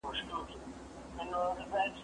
زه به سبا درسونه ولوستم!.